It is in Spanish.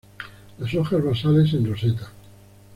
Las hojas basales en roseta.